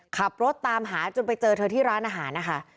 ขับรถตามหาจนไปเจอเธอที่ร้านอาหารนะคะ